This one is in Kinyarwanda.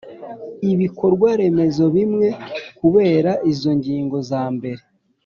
ibikorwaremezo bimwe Kubera izo ngingo zambere